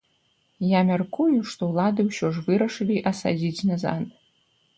Я мяркую, што ўлады ўсё ж вырашылі асадзіць назад.